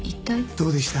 どうでした？